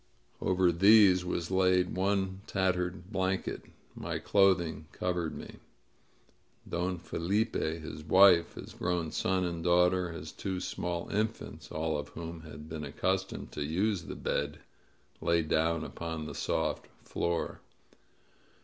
Over these was laid one tattered blanket. My clothing covered me. Don FeUpe, his wife, his grown son and daughter, his two small infants, all of whom had been accustomed to use the bed, lay down upon the soft floor.